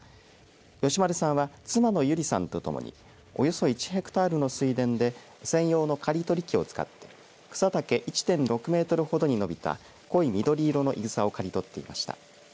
吉丸さんは妻の由里さんと共におよそ１ヘクタールの水田で専用の刈り取り機を使って草丈１．６メートルほどに伸びた濃い緑色のイグサを刈り取っていました。